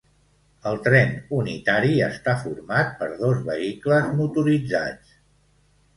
El tren unitari està format per dos vehicles motoritzats.